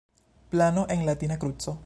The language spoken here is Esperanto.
Plano en latina kruco.